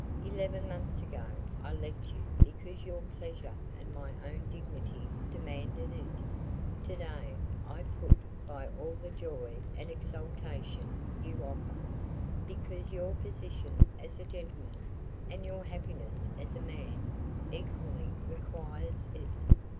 Eleven months ago I left you because your pleasure and my own dignity demanded it; to day I put by all the joy and exaltation you offer, because your position as a gentleman, and your happiness as a man equally requires it."